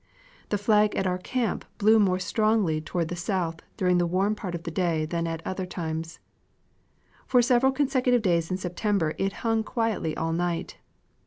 The flag at our camp blew more strongly toward the south during the warm part of the day than at other times. For several consecutive days in Sep tember it hung quietly all night.